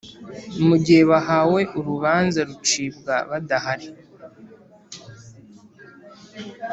Mu gihe bahawe urubanza rucibwa badahari